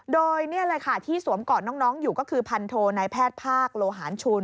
โดยนี่เลยค่ะที่สวมกอดน้องอยู่ก็คือพันโทนายแพทย์ภาคโลหารชุน